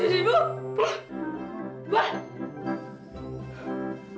aduh tapi kok kebelet